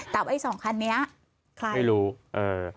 ตามไอ้สองคันนี้ใครไม่รู้เอ่อ